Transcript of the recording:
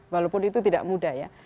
walaupun itu tidak mudah ya